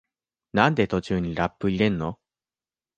なんで途中にラップ入れんの？